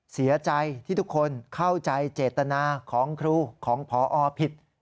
เสียใจที่ทุกคนเข้าใจเจตนาของครูของพอผิด